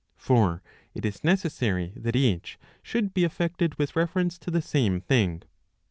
For it is necessary that each should be effected with reference to the same thing.